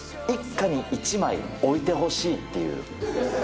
一家に１枚置いてほしいっていう。